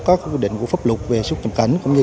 các quy định của pháp luật về xuất cảnh